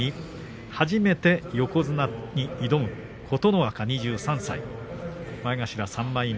初めて横綱に挑む琴ノ若２３歳前頭３枚目。